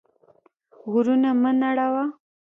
غرونه مه نړوه.